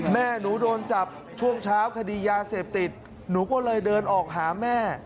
แม่หนูโดนจับช่วงเช้าคดียาเสพติดหนูก็เลยเดินออกหาแม่